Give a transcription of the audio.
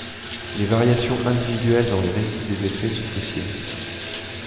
Les variations individuelles dans les récits des effets sont possibles.